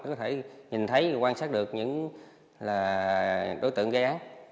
có thể nhìn thấy quan sát được những đối tượng gây án